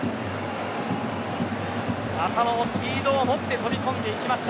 浅野もスピードを持って飛び込んでいきました。